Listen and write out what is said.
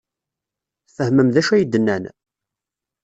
Tfehmem d acu i d-nnan?